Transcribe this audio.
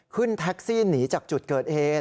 ขึ้นแท็กซี่หนีจากจุดเกิดเหตุ